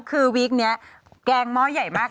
คือวิกนี้แกงหม้อใหญ่มาก